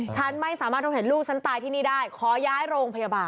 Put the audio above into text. ฉันไม่สามารถโทรเห็นลูกฉันตายที่นี่ได้ขอย้ายโรงพยาบาล